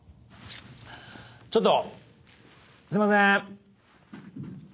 ちょっとすいませーん。